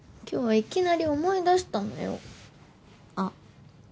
今日いきなり思い出したんだよあっ